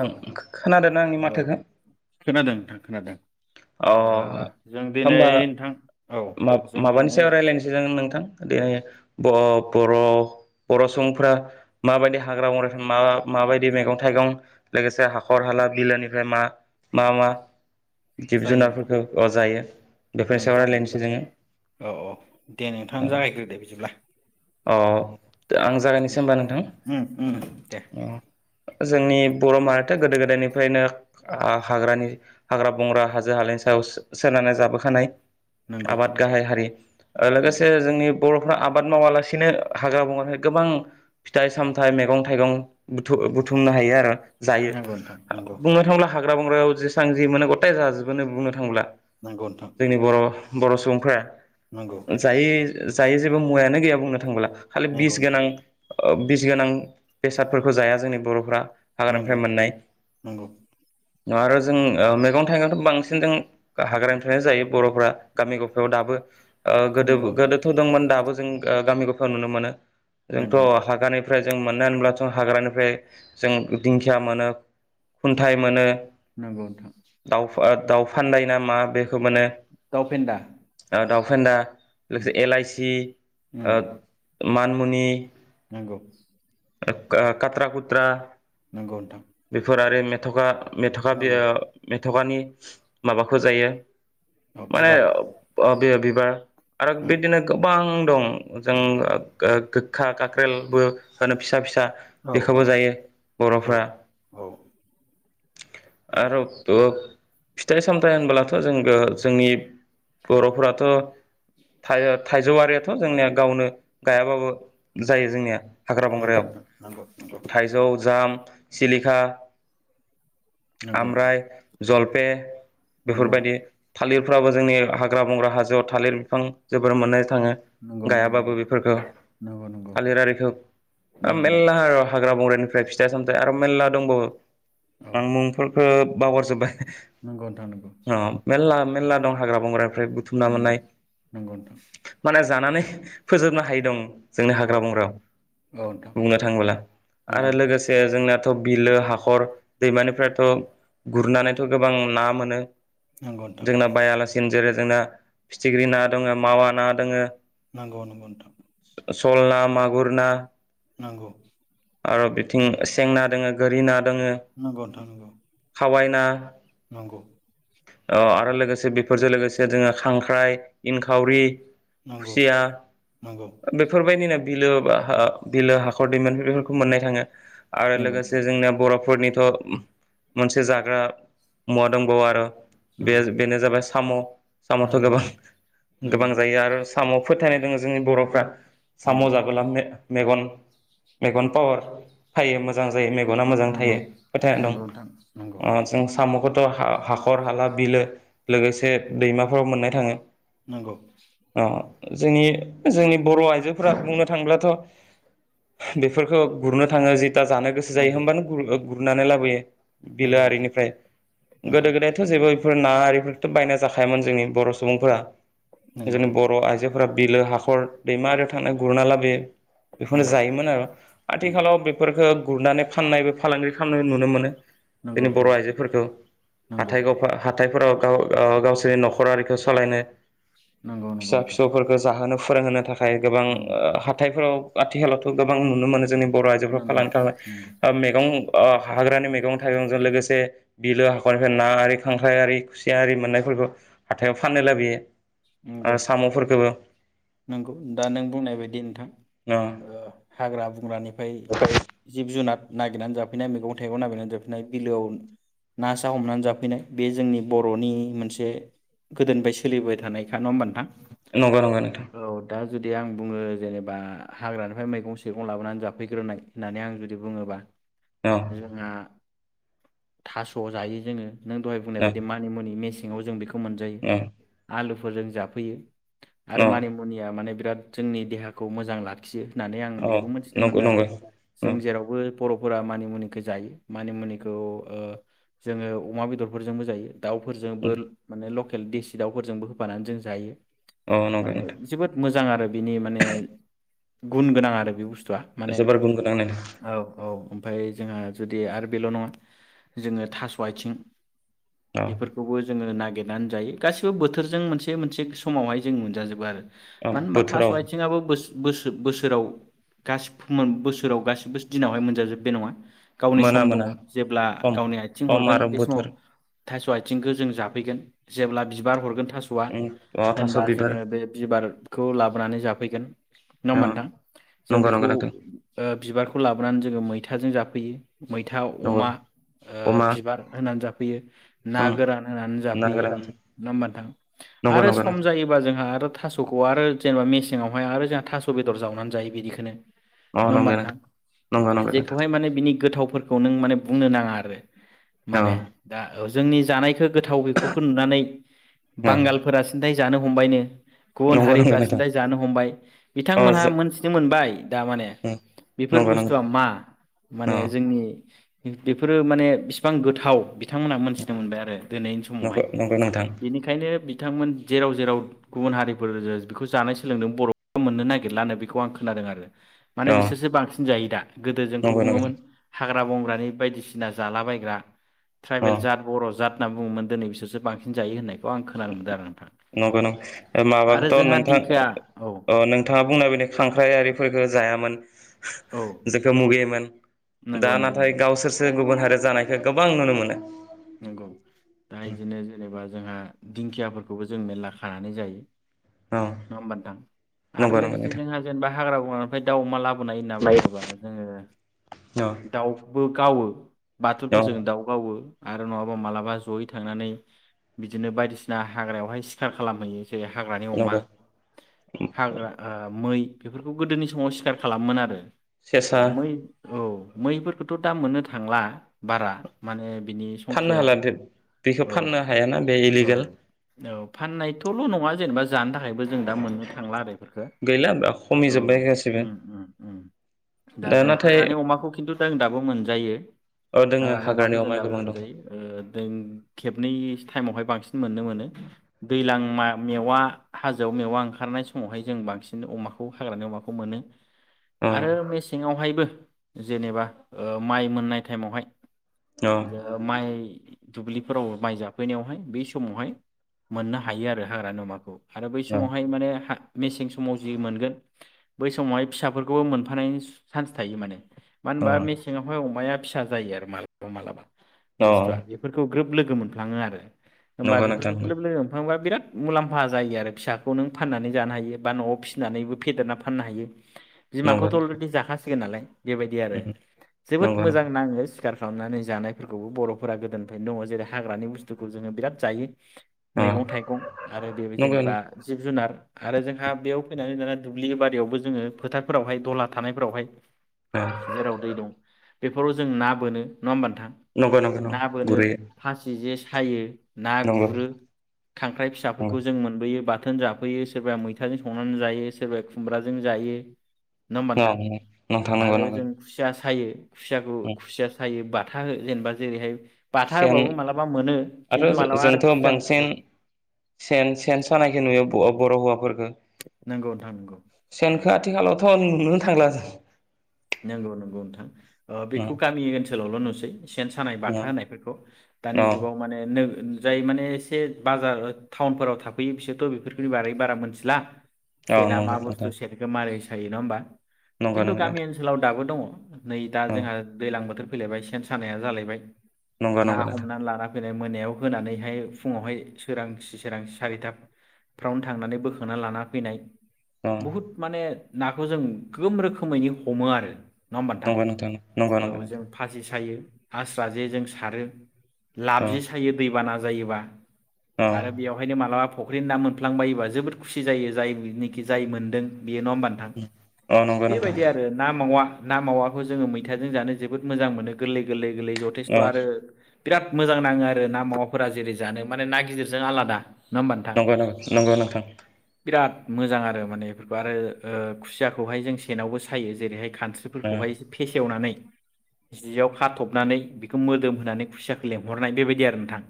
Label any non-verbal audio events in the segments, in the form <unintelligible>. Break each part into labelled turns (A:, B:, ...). A: ओं खोनादों ना आंनि
B: औ
A: माथोखौ?
B: खोनादों नोंथां खोनादों
A: अ
B: ओ जों
A: होमबा
B: दिनै नोंथां औ जों
A: माब-माबानि
B: दिनै
A: सायाव रायलायनोसै जों नोंथां दे ब र' बर' बर' सुबुंफ्रा माबायदि हाग्रा बंग्रा मा माबायदि मैगं थाइगं लोगोसे हाखर हाला बिलोनिफ्राय मा मा मा जिब
B: जायो नोंथां
A: जुनारफोरखौ अ जायो बेफोरनि
B: नों
A: सायाव
B: जागोन
A: राय्लायनोसै
B: नोंथां
A: जोङो
B: औ औ दे नोंथाङानो जागायग्रोदो बिदिब्ला
A: औ औ आं जागायनोसै होमबा नोंथां
B: उम उम दे
A: औ। जोंनि बर' माहाथो गोदो गोदायनिफ्रायनो हा-हाग्रानि हाग्रा बंग्रा हाजो हालानि सायावसो सोनारना जाबोखानाय।
B: नंगौ
A: आबाद गाहाय हारि ओ
B: उम
A: लोगोसे जोंनि बर'फ्रा आबाद मावालासिनो हाग्रा बंग्रानि गोबां फिथाइ सामथाइ मेगं थाइगं बुुथुम बुथुमनो हायो आरो। जायो
B: नंगौ नोंथां नंगौ
A: बुंनो थांब्ला हाग ग्रा बंग्रायाव जेसां जे मोनो गथाय जाजोबोनो बुंनो थांब्ला।
B: नंगौ नोंथां
A: जोंनि बर' बर' सुबुंफ्रा
B: नंगौ
A: जायै जायै जेबो मुवायानो गैया बुंनो थांबोला। खालि
B: नंगौ
A: बिस
B: नोंथां
A: गोनां ओ बिस गोनां बेसादफोरखौ जाया जोंनि बर'फ्रा हाग्रानिफ्राय
B: नंगौ
A: मोननाय
B: नंगौ।
A: आरो जों ओ मैगं थाइगंथ' बांसिन जों हाग्रानिफ्रायनो जायो बर'फ्रा गामि गफायाव दाबो ओ गोदो
B: नंगौ
A: गोदोथ' दंमोन दाबो जों गामि गफायाव नुनो मोनो जोंथ'
B: नंगौ नोंथां
A: हागानिफ्राय जों मोनो होनोब्लाथ' हाग्रानिफ्राय जों दिंखिया मोनो खुन्थाइ मोनो
B: नंगौ नोंथां।
A: दाउफा-दाउफानदाय ना मा बे खौ मोनो
B: दाउ फेन्दा
A: ओ दाउ फेन्दा
B: उम
A: लोगसे एलायसि
B: उम
A: ओ मानमुनि
B: नंगौ।
A: ओ का-कात्रा कुत्रा
B: नंगौ नोंथां
A: बेफोर आरो मे थ'खा मेथ'खा बिय
B: नंगौ
A: थ'खानि माबाखौ जायो
B: औ
A: माने
B: बिबार
A: ओब बे बिबार आरो
B: उम
A: बिदिनो गोबां दं जों गो-गोखा काक्रेलबो होनो फिसा फिसा
B: औ औ
A: बेखौबो जायो
B: औ
A: बर'फ्रा
B: औ नंगौ
A: आरो फिथाइ सामथाय होनबोलाथ' जोंबो जोंनि बर'फोराथ' थाइ-थाइजौआरियाथ' जोंनिया गावनो गायाबाबो जायो जोंनिया । हाग्रा
B: नंगौ
A: बंग्रायाव
B: नोंथां नंगौ नंगौ
A: थाइजौ जाम सिलिखा
B: नंगौ नोंथां
A: आमफ्राय जलपे
B: नंगौ
A: बेफोरबायदि थालिर फोराबो जोंनि हाग्रा बंग्रा हाजोआव थालिर बिफां जोबोर मोननाय थाङो
B: नंगौ नोंथां नंगौ
A: गायाबाबो बेफोरखौ
B: नंगौ
A: थालिर आरिखौ ओ
B: नंगौ नंगौ
A: मेल्ला
B: नोंथां
A: हाग्रा बंग्रानि फ्राय फिथाइ सामथाइ आरो मेरला दंबावो
B: औ
A: आं मुंफोरखो बाउगार जोब बाय
B: नंगौ नोंथां नंगौ
A: ओ मेरला मेरला दं हाग्रा बंग्रानिफ्राय बुथुमना
B: औ, नंगौ
A: मोननाय
B: नंगौ नोंथां
A: माने जानानै फोजोबनो हायि दं ‌। जोंनो
B: औ
A: हाग्रा बंग्रायाव
B: औ नोंथां
A: बुंनो थाङोब्ला आरो
B: नंगौ
A: लोगोसे जोंना ओ बिलो हाखर दैमानिफ्रायथ' गुरनानै थ' गोबां ना मोनो ।
B: नोंथां
A: जोंना बायालासिनो जेरै जोंना फिथिख्रि ना दङ मावा ना दङो
B: नांगौ नंगौ नोंथां।
A: सल ना, मागुर ना।
B: नोंगौ।
A: आरो बिथिं सेंना दोङो गोरि ना दोङो
B: नोंगौ नोंथां नोंगौ।
A: ना
B: नोंगौ।
A: ओ आरो लोगोसे बेफोरजों लोगोसे जोङो खांख्राइ, इनखावरि
B: नंगौ नोंथां नंगौ
A: खुसिया बेफोर बायदिनो बिलो बा बिलो हाखर दैमानिफ्राय बेफोरखौ मोननाय थाङो। आरो लोगोसे जोंनिया बर' फोरनिथ' मोनसे जाग्रा मुवा दंबावो आरो बे बेनो जाबाय साम' साम'थ' गोबां
B: नंगौ
A: गोबां जायो आरो साम' फोथायनाय दोङो जोंनि बर'फ्रा साम'
B: नंगौ नोंथां
A: जागोलांनो मेगन, मेगन पावार फायो मोजां जायो मेगना मोजां थायो
B: नंगौ
A: फोथायनाय दं
B: नंगौ नोंथां
A: ओ
B: नंगौ
A: जों थ' हाखर हाला बिलो लोगोसे दैमाफोराव मोननाय थाङो।
B: नोंगौ।
A: अ जोंनि, जोंनि बर' आइजोफोरा बुंनो थांब्लाथ' बेफोरखौ गुरनो थाङो जि दा जानो गोसो जायो होमबानो गुरो गुरनानै लाबोयो
B: नंगौ नंगौ नोंथां
A: बिलोआरिनिफ्राय
B: नंगौ
A: गोदो गोदायथ' जेबो फोर नाआरिफोरथ' बायना जाखायामोन जोंनि बर' सुबुंफोरा
B: नंगौ नोंथां नंगौ नंगौ
A: जोंनि बर' आइजोफोरा बिलो हाखर दैमा आरियाव थांनाय गुरना लाबोयो बेफोरनो
B: नंगौ
A: जायोमोन आरो
B: नंगौ
A: आथिखालाव बेफोरफोरखौ गुरनानै फाननायबो फालांगि खालामनाय नुनो मोनो।
B: नंगौ
A: जोंनि बर'
B: नोंथां
A: आइजोफोरखौ
B: नंगौ
A: हाथाय गफा हाथाय फोराव गाव गावसोरनि न'ख'रारिखौ सलायनो
B: नंगौ नंगौ
A: फिसा
B: नोंथां
A: फिसौफोरखौ जाहोनो फोरों होनो था खाय गोबां
B: नंगौ
A: ओ हाथायफोराव आथिखालावथ' गोबां नुनो मोनो जोंनि बर' आइजोफ्रा
B: नंगौ
A: फानलांनो थाखाय
B: नंगौ।
A: ओ मैगं ओ हाग्रानि मैगं थाइगंजों लोगोसे बिलो हाखरनिफ्राय ना आरि खांख्राय आरि खुसिया आरि मोननायफोरखौ हाथायाव फाननो लाबोयो। ओ साम'फोरखौबो
B: नोंगौ दा नों बुंनाय बायदि नोंथां ओ हाग्रा बुं <unintelligible> फाय जिब जुनाद नागिरनानै जाफैनाय मैगं थाइगं नागिरनानै जाफैनाय बिलोआव ना सा हमनानै जाफैनाय बे जोंनि बर'नि मोनसे गोदोनिफ्राय सोलिबाय थानायखा नङा होमबा नोंथां?
A: नंगौ नंगौ नोंथां।
B: औ दा जुदि आं बुङो जेनेबा हाग्रानिफ्राय मैगं सेगं लाबोनानै जाफैग्रोनाय होननानै आं जुदि बुङोबा
A: औ
B: जोंहा थास' जायो जोङो नों दहाय बुंनाय
A: औ
B: बायदि मानि मुनि मे सेङाव जों बेखौ मोनजायो
A: औ
B: आलु फोरजों जाफैयो आरो
A: औ
B: मानि माने बिराद जोंनि देहाखौ मोजां लाखियो। होननानै आं
A: औ
B: बेखौ मिथिनो
A: नंगौ
B: मोनदों आरो
A: नंगौ औ
B: जों जेरावबो बर'फोरा मानिमुनिखौ जायो मानिमुनिखौ जोङो ओ अमा बेदरफोरजोंबो जायो। दाउफोरजोंबो माने लकेल देसि दाउफोरजोंबो होफानानै जों जायो।
A: अ नंगौ
B: माने
A: नोंथां।
B: जोबोद मोजां आरो बिनि माने गुन गोनां आरो बे बुस्थु आ माने
A: जोबोर गुन गोनां नोंथां
B: औ औ। ओमफाय जोंहा जुदि आरो बेल नङा जोङो थास' आथिं
A: औ
B: बेफोरखौबो जोङो ना गिरनानै जायो गासिबो बोथोरजों मोनसे मोनसे समावहाय जों मोनजाजोबो आरो।
A: औ
B: मानो होनोबा थास'
A: बोथोराव
B: आथिंआबो बो सोराव बोसोराव गासिबो दिनावहाय मोनजाजोबो बे नङा। गावनि
A: मोना
B: सम दङ
A: मोना
B: जेब्ला
A: सम
B: गावनि आथिं
A: सम
B: हरगोन
A: आरो
B: बे समाव
A: बोथोर
B: थास' आथिंखौ जों जाफैगोन जेब्ला बिबार हरगोन थास'आ
A: उम अ थास'
B: होनबा
A: बिबार
B: जोङो बे खौ लाबोनानै जाफैगोन। नङा
A: अ
B: होमबा नोंथां जों
A: नंगौ
B: बेखौ
A: नंगौ नोंथां
B: बिबारखौ लाबोनानै जोङो मै थाजों जाफैयो। मैथा
A: नंगौ
B: अमा ओ
A: अमा
B: बिबार होनानै जाफैयो ना
A: उम
B: गोरान होनानै
A: ना
B: जाफैयो
A: गोरान
B: नङा होमबा नोंथां
A: नंगौ
B: आरो
A: नंगौ
B: सम
A: नोंथां
B: जायोबा जोंहा आरो थास'खौ आरो जेनेबा मेसेंयावहाय आरो जोंहा थास' बेदर जावनानै जायो बिदिखौनो
A: अ
B: नङा होनबा
A: नंगौ नंगौ
B: नोंथां
A: नंगौ नोंथां
B: जेखौहाय माने बिनि गोथावफोर खौ नों माने बुंनो नाङा आरो।
A: औ
B: माने दा जोंनि जानायखो गोथाव बेफोरखौ नुनानै
A: औ
B: बांगालफोरा सिन्थाय जानो हमबायनो गुबुन
A: नंगौ नंगौ
B: हारिफ्रा
A: नोंथां
B: सिन्थाय जानो हमबाय
A: अ
B: बिथांमोनहा
A: जो
B: मोनथिनो मोनबाय दा माने
A: उम
B: बेफोर
A: नंगौ नंगौ
B: बुस्थुआ मा
A: अ
B: माने जोंनि बेफोरो माने बिसिबां गोथाव बिथांमोनहा मोनथिनो मोनबाय आरो दिनैनि
A: नंगौ
B: समावहाय
A: नंगौ नोंथां
B: बेनिखायनो बिथांमोन जेराव जेराव गुबुन हारि बेखौ जानाय सोलोंदों बर'फोरा मोननो नागिरलानो बेखौ आं खोनादों आरो। माने
A: अ
B: बिसोरसो बांसिन जायो दा। गोदो जोंखौ
A: नंगौ नंगौ
B: बुङोमोन हा हाग्रा बंग्रानि बायदिसिना जालाबायग्रा
A: अ
B: ट्राइबेल जाद बर जाद होनना बुङोमोन दिनै बिसोरसो बांसिन जायो होननायखो
A: नंगौ <unintelligible>
B: आरो
A: हाबाखौथ
B: जोंहा
A: नोंथां
B: दिंखोआ औ
A: अ नोंथाङा बुंनायबादि खांख्राइ आरिफोरखौ जायामोन
B: औ
A: जेखौ मुगैयोमोन दा
B: नंगौ नंगौ
A: नाथाय
B: नोंथां
A: गावसोरसो गुबुन हारि जानायखौ गोबां नुनो मोनो।
B: नोंगौ दा इदिनो जेनेबा जोंहा दिंखियाफोरखौबो जों मेरला खानानै जायो।
A: औ
B: नङा होमबा नोंथां आरो
A: नंगौ नंगौ
B: लोगोसे
A: नोंथां
B: जोंहा जेनेबा हाग्रा बंग्रानिफ्राय दाउ अमा लाबोनाय होनना बुङोबा जोङो
A: औ
B: दाउबो गावो
A: औ
B: बाथुलफोरजों दाउ गावो । आरो नङाबा मालाबा जयै थांनानै बिदिनो बायदिसिना हाग्रायावहाय सिखार खालामहैयो । जेरै हाग्रानि अमा
A: नंगौ
B: हाग्रा ओ मै बेफोरखौ गोदोनि समाव सिखार खालामोमोन आरो ओ
A: सेसा
B: मै औ मैफोरखौथ दा मोननो थांला बारा माने बिनि
A: फाननो
B: संखिया
A: हाला बेखौ
B: औ
A: फाननो हायाना बे
B: औ
A: इलिगेल
B: औ फानायथल नङा जेनबा <unintelligible> थाखायबो जों दा मोन्नो थांला आरो एफोरखौ
A: गैला
B: औ
A: खमिजोब्बाय गासिबो
B: ओम ओम ओम दा जों हाग्रानि अमाखौ खिनथुजों दाबो जायो
A: ओ दोङो हाग्रानि अमा गोबां दं
B: मोनजायो ओ खेबनै टाइमावहाय बांसिन मोननो मोनो दैज्लां मेवा हाजोआव मेवा ओंखारनाय समावहाय जों बांसिन अमाखौ हाग्रानि अमाखौ मोनो
A: औ
B: आरो मेसेंआवहायबो जेनेबा ओ माइ मोननाय टाइमावहाय
A: औ
B: माइ दुब्लिफोराव माइ जाफैनायावहाय बे समावहाय मोननो हायो आरो हाग्रानि अमाखौ आरो बै
A: औ
B: समावहाय माने मेसें समाव जि मोनगोन बै समावहाय फिसाफोरखौबो मोनफानाय चान्स थायो माने मानो होनबा मेसेङावहाय अमाया फि सा जायो आरो मालाबा मालाबा
A: औ
B: बुस्थुआ बेफोरखौ ग्रोब लोगो मोनफ्लाङो आरो होमबा
A: नंगौ नोंथां
B: बेफोरफोरखौ ग्रोब लोगो मोनफ्लांबा बिराद मुलाम्फा जायो आरो फिसाखौ नों फाननानै जानो हायो बा न'आव फिसिनानैबो फेदेरना फाननो हायो
A: नंगौ नंगौ
B: बिमाखौथ' अलरेडि जाखासिगोन नालाय बेबायदि आरो जोबोद
A: नंगौ
B: मोजां नाङो सिखार खालामनानै जानाय फोरखौबो बर'फोरा गोदोनिफ्रायनो दङ जेरै हाग्रानि बुस्थुखौ जोङो बिराद जायो
A: नंगौ
B: मैगं थाइगं आरो बे
A: नंगौ
B: जेनेबा जिब जुनार आरो जोंहा बेयाव फैनानै दाना दुब्लि बारियावबो जोङो फोथारफोरावहाय दहला थानायफोरावहाय
A: नंगौ
B: जेराव दै दं बेफोराव जों ना बोनो नङा होमबा नोंथां
A: नंगौ नंगौ
B: ना बोनो
A: गुरैयै
B: फासि जे सायो ना
A: नंगौ
B: गुरो खांख्राइ
A: नंगौ
B: फिसाफोरखौ जों मोनबोयो बाथ बाथोन जाफैयो सोरबाया मैथाजों संनानै जायो सोरबाया खुमब्राजों जायो नङा होमबा
A: औ
B: नोंथां
A: नोंथां नंगौ
B: आरो
A: नंगौ
B: जों खुसिया सायो खुसियाखौ
A: उम
B: खुसिया सायोबा थाहो। जेनेबा जेरैहाय। बाथा
A: सेन
B: होबाबो माबलाबा मोनो
A: आरो
B: खिन्थु माब्लाबा आरो
A: जोंथ'
B: खुजान
A: बांसिन
B: औ।
A: सेन सेन सानायखौ नुयो बर' हौवाफोरखौ
B: नंगौ नोंथां नंगौ
A: सेनखौ
B: नंगौ
A: आथिखालावथ' नुनो। <inaudible>
B: नंगौ नंगौ नोंथां बेखौ गामि ओनसोलावल' नु सै। सेन सानाय
A: औ
B: बाथा होनायफोरखौ दानि
A: औ
B: जुगाव माने नो जाय माने एसे बाजार टाउनफोराव थाफैयो बिसोरथ' बेफोरखौनि बारै बारा मिथिला
A: औ
B: सेना
A: नंगौ
B: मा
A: नोंथां
B: बस्थु सेनखौ मारै जायो नङा होमबा।
A: नंगौ
B: खिन्थु
A: नोंथां।
B: गामि ओनसोलाव दाबो दङ। नै दा
A: औ
B: जोंहा दैज्लां बोथोर। फैलायबाय सेन सानाया जालायबाय।
A: नंगौ
B: ना
A: नंगौ नोंथां
B: हमनानै लाना फैनाय। मोनायाव होनानैहाय फुङावहाय सोरांसि सोरांसि सारिथाफ्रावनो थांनानै बोखांना लाना फैनाय।
A: अ
B: बहुत माने नाखौ जों गोम रोखोमैनो हमो आरो। नङा होमब नोंथां
A: नंगौ नंगौ नंगौ
B: औ
A: नोंथां
B: जों फासि सायो। हास्रा जे जों सारो।
A: अ
B: लाबजि सायो दैबाना जायोबा।
A: अ
B: आरो बेयावहायनो मालाबा फख्रिनि ना मोनफ्लांबायोबा जोबोद खुसि जायो जायनिखि जाय मोनदों बेयो नङा होमबा नोंथां
A: औ नंगौ नोंथां।
B: बेबायदि आरो ना मावा ना मावाखौ जोङो मैथाजों जानो जोबोद मोजां मोनो गोरलै गोरलै गोरलै जथेसथ'
A: अ
B: आरो। बिराद मोजां नाङो आरो ना मावाफोरा जेरै जानो माने ना गिदिरजों आलादा नङा होमबा नोंथां
A: नंगौ नं नंगौ नोंथां।
B: बिराद मोजां आरो माने बेफोरखौ आरो ओ खुसियाखौहाय जों सेनावबो सा यो जेरैहाय
A: औ
B: खानस्रिफोरखौहाय एसे फेसेवनानै जियाव खाथबनानै बेखौ मोदोम होनानै खुसियाखौ लेंहरनाय बेबायदि आरो नोंथां।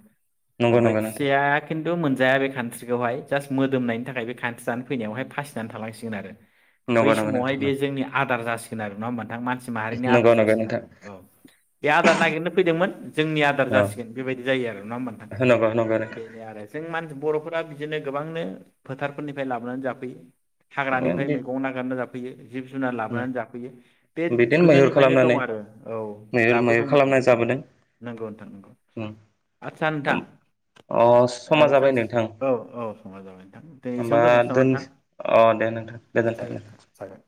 A: नंगौ
B: ओमफाय
A: नंगौ नोंथां
B: खुसियाया खिन थु मोनजाया बे कानस्रिखौहाय जास्ट मोदोमनायनि थाखाय बे कानस्रि जानो फैनायावहाय फासिनानै थालांसिगोन आरो। बै
A: नंगौ नंगौ
B: समावहाय
A: नोंथां नं
B: बे जोंनि आदार जासिगोन आरो नङा होनबा नोंथां? मान सि माहारिनि आदार
A: नंगौ नंगौ
B: जासिगोन
A: नोंथां
B: आरो। बे आदार नागिरनो फैदोंमोन जोंनि आदार
A: औ
B: जासिगोन बेबायदि जायो आरो नङा होमबा नोंथां?
A: नंगौ नंगौ नोंथां
B: बेनो आरो जों मान बर'फोर बा बिदिनो गोबांनो फोथारफोरनिफ्राय लाबोनानै जाफैयो। हाग्रानिफ्राय मैगं नागारना जाब हैयो जिब जुनार लाबोनानै जाफैयो। बेद
A: बिदिनो मैहुर
B: गोदोनिफ्रायनो दं
A: खालामनानै
B: आरो औ
A: मैहुर
B: दाबो
A: मैहुर
B: दंबाय
A: खालामना
B: थायो औ
A: जाबोदों
B: नंगौ नोंथां नंगौ आस्सा नोंथां
A: अ
B: ओ
A: समा जाबाय नोंथां
B: जास्ट औ औ समाय जाबाय नोंथां दे
A: होमबा
B: एसेयावनो दोनथ'सै नामा
A: दोन
B: नोंथां?
A: अ दे नोंथां
B: जागोन
A: गोजोन्थों
B: नोंथां जागोन।